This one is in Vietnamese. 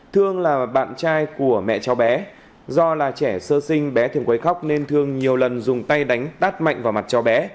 thương là bạn trai của mẹ cháu bé do là trẻ sơ sinh bé thường quấy khóc nên thương nhiều lần dùng tay đánh tát mạnh vào mặt cháu bé